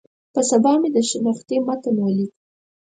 په سبا مې د شنختې متن ولیک.